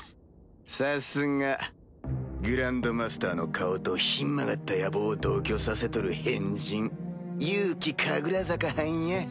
さすがグランドマスターの顔とひん曲がった野望を同居させとる変人ユウキ・カグラザカはんや。